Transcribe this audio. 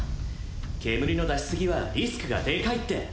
煙の出し過ぎはリスクがでかいって！